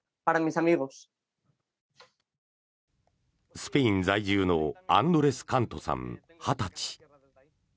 スペイン在住のアンドレス・カンテさん２０歳。